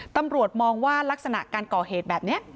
ตำรวจมองว่ารักษณะการก่อเหตุแบบนี้